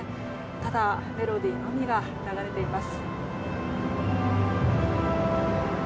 ただ、メロディーのみが流れています。